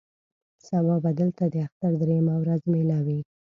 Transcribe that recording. سبا به دلته د اختر درېیمه ورځ مېله وي.